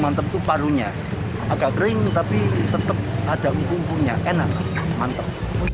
mantap itu parunya agak kering tapi tetep ada unggulnya enak mantap